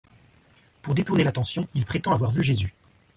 Pour détourner l'attention, il prétend avoir vu Jésus.